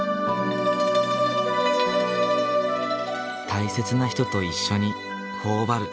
大切な人と一緒に頬ばる。